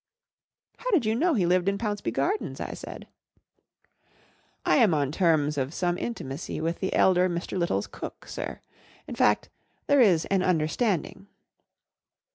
" How did you know he lived in Pounceby Gardens ?" I said. M I am on terms of some intimacy with the elder Mr. Little's cook, sir. In fact, there is an understand¬ ing."